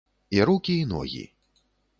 І рукі і ногі.